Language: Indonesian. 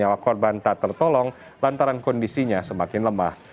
nyawa korban tak tertolong lantaran kondisinya semakin lemah